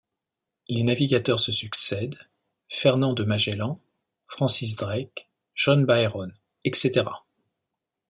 Les navigateurs se succèdent, Fernand de Magellan, Francis Drake, John Byron, etc.